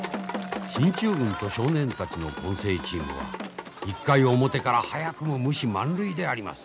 進駐軍と少年たちの混成チームは１回表から早くも無死満塁であります。